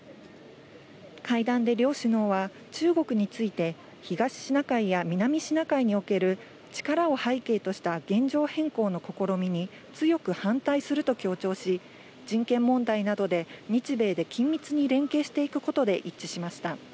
会談で両首脳は、中国について、東シナ海や南シナ海における力を背景とした現状変更の試みに強く反対すると強調し、人権問題などで日米で緊密に連携していくことで一致しました。